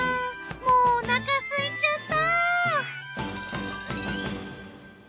もうお腹空いちゃった。